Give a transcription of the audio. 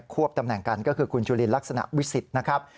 วบตำแหน่งกันก็คือคุณจุลินลักษณะวิสิทธิ์นะครับ